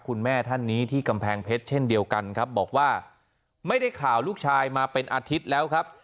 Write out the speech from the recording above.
คุณแม่ท่านนี้ที่กำแพงเพชรเช่นเดียวกันครับบอกว่าไม่ได้ข่าวลูกชายมาเป็นอาทิตย์แล้วครับ